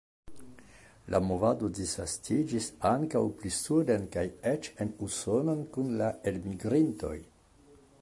La movado disvastiĝis ankaŭ pli suden kaj eĉ en Usonon kun la elmigrintoj.